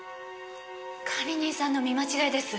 管理人さんの見間違いです。